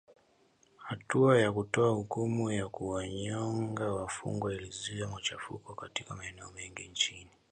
Hatua ya kutoa hukumu ya kuwanyonga wafungwa ilizua machafuko katika maeneo mengi nchini.